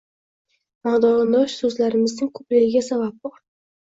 Ma’nodosh so‘zlarimizning ko‘pligiga sabab bor